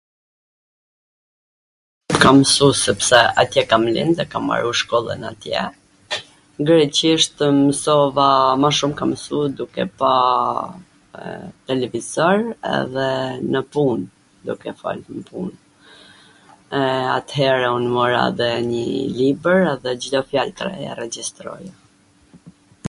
[shqipen] e kam msu sepse atje kam lind, e kam maru shkollwn atje, Greqisht msova, kam mwsuar mw shum kam msu duke pa televizor, edhe nw pun, duke fol nw pun. At-here un mora edhe nji libwr edhe Cdo fjal tw re e regjistroja.